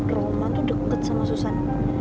gue jadi bete ngeliat roma tuh deket sama susan